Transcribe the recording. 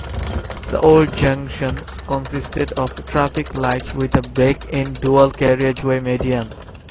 The old junctions consisted of traffic lights with a break in the dual-carriageway median.